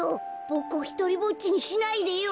ボクをひとりぼっちにしないでよ。